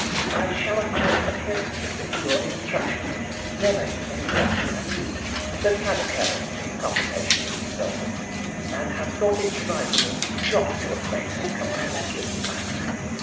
I shall, of course, adhere strictly to your instructions never in any way to allude to the sad occurrence in conversation with Miss Boleton, and have thought it advisable not to acquaint her companions with the fact.